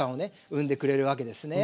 生んでくれるわけですね。